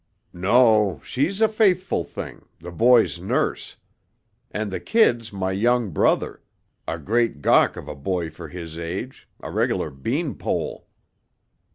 "No, she's a faithful thing, the boy's nurse. And the kid's my young brother a great gawk of a boy for his age, a regular bean pole."